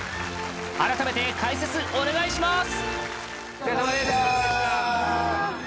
改めて解説お願いします！